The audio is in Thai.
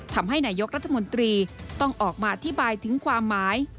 ทำให้นายกรัฐมนตรีต้องออกมาอธิบายถึงความหมาย